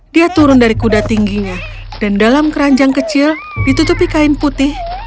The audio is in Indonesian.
dia turun dari kuda tingginya dan dalam keranjang kecil ditutupi kain putih